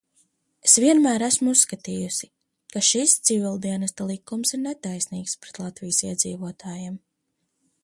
Es vienmēr esmu uzskatījusi, ka šis Civildienesta likums ir netaisnīgs pret Latvijas iedzīvotājiem.